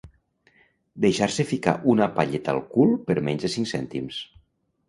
Deixar-se ficar una palleta al cul per menys de cinc cèntims.